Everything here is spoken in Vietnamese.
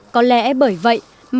có lẽ bởi vậy